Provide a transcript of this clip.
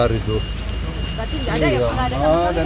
berarti nggak ada ya pak